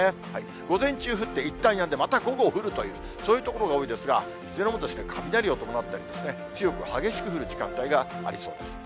午前中降って、いったんやんで、また午後降るという、そういう所が多いですが、いずれも雷を伴ったり、強く激しく降る時間帯がありそうです。